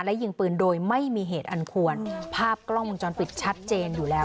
และยิงปืนโดยไม่มีเหตุอันควรภาพกล้องวงจรปิดชัดเจนอยู่แล้ว